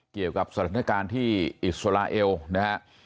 เกี่ยวกับสถานการณ์ที่อิสราเอลนะฮะ